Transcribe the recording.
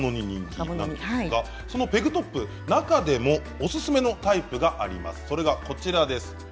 そのペグトップ、中でもおすすめのタイプがあります。